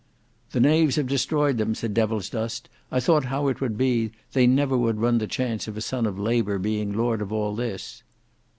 "The knaves have destroyed them," said Devilsdust. "I thought how it would be. They never would run the chance of a son of Labour being lord of all this."